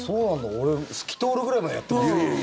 俺、透き通るぐらいまでやってます。